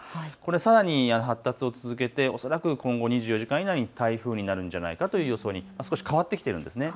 さらに発達を続けて恐らく今後２４時間以内に台風になるんじゃないかという予想に少し変わってきているんです。